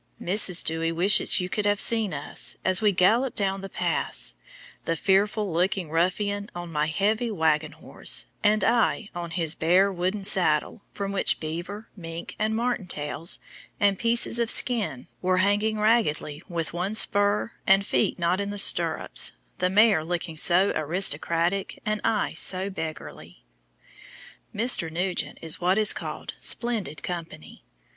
Mrs. Dewy wishes you could have seen us as we galloped down the pass, the fearful looking ruffian on my heavy wagon horse, and I on his bare wooden saddle, from which beaver, mink, and marten tails, and pieces of skin, were hanging raggedly, with one spur, and feet not in the stirrups, the mare looking so aristocratic and I so beggarly! Mr. Nugent is what is called "splendid company."